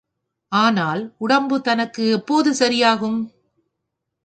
ஆனால் உடம்பு தனக்கு எப்போது சரியாகும்?